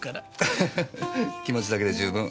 アハハ気持ちだけで十分。